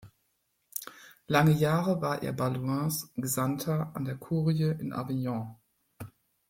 Lange Jahre war er Balduins Gesandter an der Kurie in Avignon.